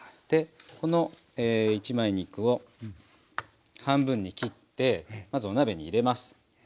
この一枚肉を半分に切ってまずお鍋に入れます。